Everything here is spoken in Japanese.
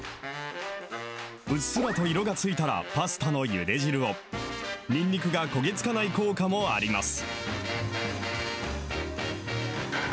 うっすらと色がついたらパスタのゆで汁を、にんにくが焦げ付かない効果もあります。